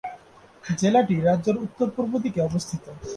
জেলাটি রাজ্যের উত্তর-পূর্ব দিকে অবস্থিত।